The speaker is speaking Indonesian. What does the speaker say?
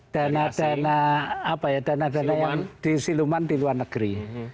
dana dana apa ya dana dana yang disiluman di luar negeri